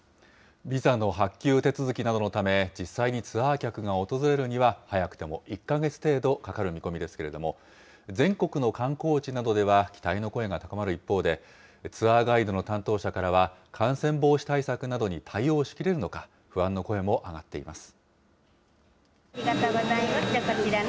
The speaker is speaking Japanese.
ビザの発給手続きなどのため、実際にツアー客が訪れるには早くても１か月程度かかる見込みですけれども、全国の観光地などでは期待の声が高まる一方で、ツアーガイドの担当者からは、感染防止対策などに対応しきれるのか、不安の声も上がっています。